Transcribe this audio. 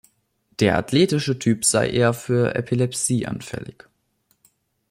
Der athletische Typ sei eher für Epilepsie anfällig.